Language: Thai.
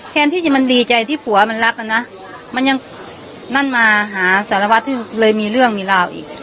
แทนที่มันดีใจที่ผัวมันรักอ่ะนะมันยังนั่นมาหาสารวัตรที่เลยมีเรื่องมีราวอีก